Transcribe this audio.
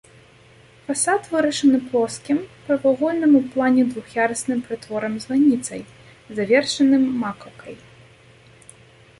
Фасад вырашаны плоскім прамавугольным у плане двух'ярусным прытворам-званіцай, завершаным макаўкай.